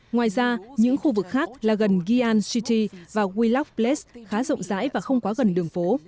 ngoài ra những khu vực khác là gần guyan city và welock place khá rộng rãi và không quá gần đường phố